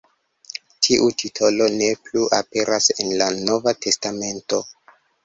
Tiu titolo ne plu aperas en la Nova Testamento.